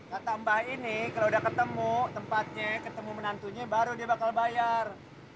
kata mbah ini kalau udah ketemu tempatnya ketemu menantunya baru dia bakal bayar